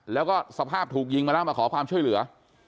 แล้วก็สภาพถูกยิงมาแล้วมาขอความช่วยเหลือ